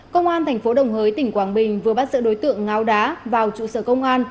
công an tp đồng hới tỉnh quảng bình vừa bắt sợ đối tượng ngáo đá vào trụ sở công an